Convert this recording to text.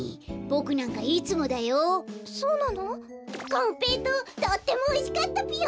こんぺいとうとってもおいしかったぴよ。